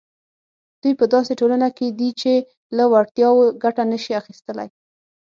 دوی په داسې ټولنه کې دي چې له وړتیاوو ګټه نه شي اخیستلای.